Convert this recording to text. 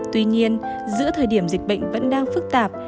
tuy nhiên giữa thời điểm dịch bệnh vẫn đang phức tạp